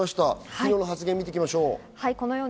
昨日の発言を見ていきましょう。